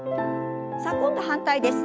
さあ今度反対です。